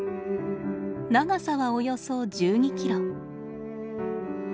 長さはおよそ１２キロ。